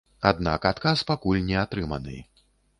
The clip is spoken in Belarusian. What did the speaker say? Аднак адказ пакуль не атрыманы.